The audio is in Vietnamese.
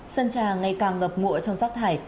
sơn trà ngày càng ngập ngụa trong sắc thải